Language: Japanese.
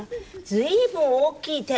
随分大きい手。